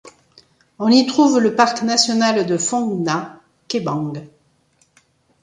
On y trouve le parc national de Phong Nha - Kẻ Bàng.